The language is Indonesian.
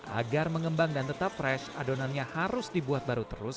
agar mengembang dan tetap fresh adonannya harus dibuat baru terus